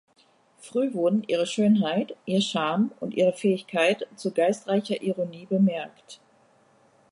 Früh wurden ihre Schönheit, ihr Charme und ihre Fähigkeit zu geistreicher Ironie bemerkt.